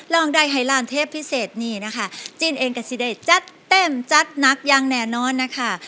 ลองได้ไฮลานเทปพิเศษนี่นะคะจิ้นเองก็ซิเดชจัดเต็มจัดหนักอย่างแน่นอนนะคะ